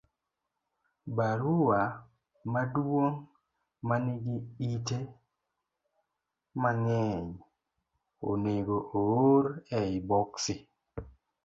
Barua maduong' ma nigi ite mang'eny onego oor e i boksi